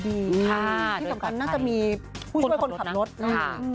ที่สำคัญน่าจะมีผู้ช่วยคนขับรถนะคะ